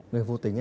người vô tính